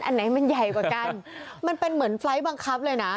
อันไหนมันใหญ่กว่ากันมันเป็นเหมือนไฟล์ทบังคับเลยนะ